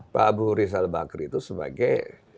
pak abu rizal bakri itu sebagai